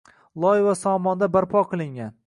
Loy va somonda barpo qilingan